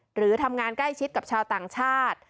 หรือทำงานใกล้ชิดกับชาวต่างชาติ